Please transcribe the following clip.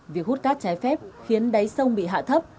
việc hút cát trái phép khiến đáy sông bị hạ thấp